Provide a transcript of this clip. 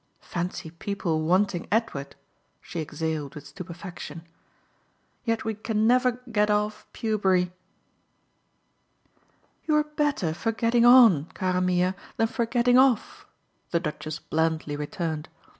Fancy people wanting Edward!" she exhaled with stupefaction. "Yet we can never get off Pewbury." "You're better for getting on, cara mia, than for getting off!" the Duchess blandly returned.